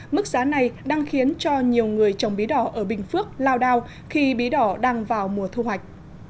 mức giá này đang khiến cho nhiều người trồng bí đỏ ở bình phước lao đao khi bí đỏ đang vào mùa thu hoạch